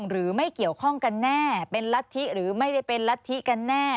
หรือไม่เกี่ยวข้องกันแน่เป็นรัฐธิหรือไม่ได้เป็นรัฐธิกันแน่